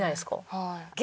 はい。